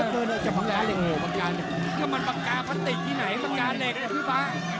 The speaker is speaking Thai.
ที่ไหนสัญญาณเหล็กนะพี่ฟ้า